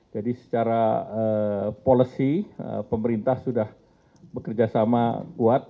jadi secara policy pemerintah sudah bekerjasama kuat